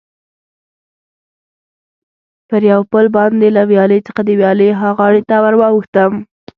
پر یو پل باندې له ویالې څخه د ویالې ها غاړې ته ور واوښتم.